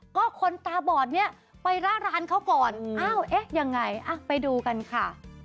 ก็คนตาบอดเนี่ยไปร่าร้านเขาก่อนอ้าวเอ๊ะยังไงอ่ะไปดูกันค่ะ